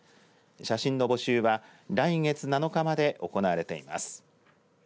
写真の募集は来月７日まで行われています。